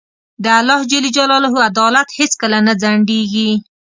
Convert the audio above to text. د الله عدالت هیڅکله نه ځنډېږي.